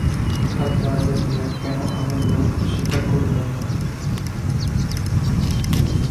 হাত বাড়াইয়া দিয়া কেন আমার লোভ স্বীকার করিলাম না।